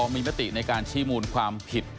มีมติในการชี้มูลความผิด